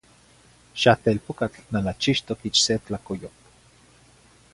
Xah telpucatl nalachixtoc ich se tlacoyoc.